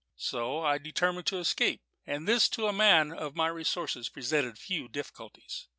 So I determined to escape; and this to a man of my resources presented few difficulties.